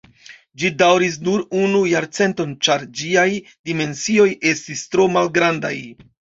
Ĝi daŭris nur unu jarcenton, ĉar ĝiaj dimensioj estis tro malgrandaj.